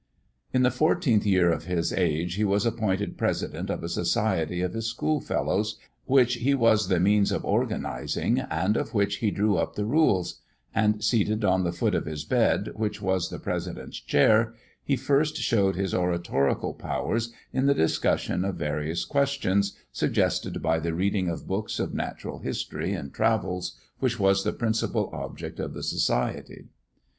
In the fourteenth year of his age he was appointed president of a society of his schoolfellows, which he was the means of organising, and of which he drew up the rules; and seated on the foot of his bed, which was the president's chair, he first showed his oratorical powers in the discussion of various questions, suggested by the reading of books of natural history and travels, which was the principal object of the society.